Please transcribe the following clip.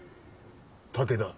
武田。